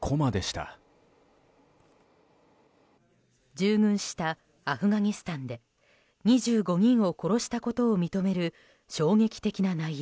従軍したアフガニスタンで２５人を殺したことを認める衝撃的な内容。